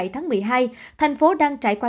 hai mươi bảy tháng một mươi hai thành phố đang trải qua